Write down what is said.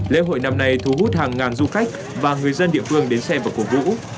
lễ hội năm nay thu hút hàng ngàn du khách và người dân địa phương đến xem và cổ vũ